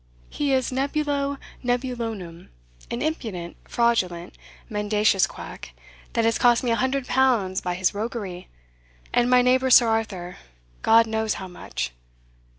He is nebulo nebulonum, an impudent, fraudulent, mendacious quack, that has cost me a hundred pounds by his roguery, and my neighbour Sir Arthur, God knows how much.